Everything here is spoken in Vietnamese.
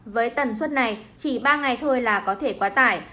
với tần suất này chỉ ba ngày thôi là có thể quá tải